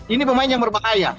ini pemain yang berbahaya